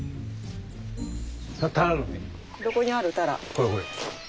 これこれ。